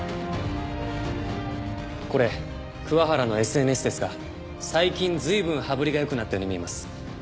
これ桑原のＳＮＳですが最近随分羽振りがよくなったように見えます。